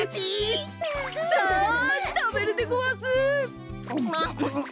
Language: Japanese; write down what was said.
さあたべるでごわす！